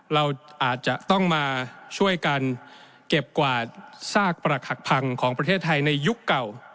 เราอาจจะต้องมาช่วยกันเก็บกวาดซากปรักหักพังของประเทศไทยในยุคเก่า